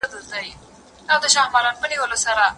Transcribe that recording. ایا ځايي کروندګر خندان پسته پروسس کوي؟